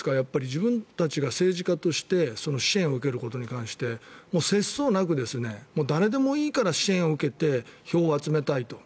自分たちが政治家として支援を受けることに関して節操なく誰でもいいから支援を受けて票を集めたいと。